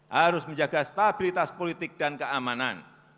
harus menjaga stabilitas politik dan keamanan